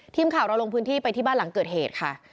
ทีมข่าวเราลงพื้นที่ไปที่บ้านหลังเกิดเหตุค่ะ